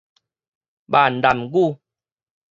閩南語